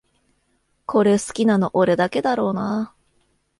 これ好きなの俺だけだろうなあ